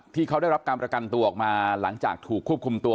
ที่เขาได้รับการประกันตัวออกมาหลังจากถูกควบคุมตัว